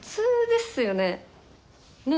ねえ？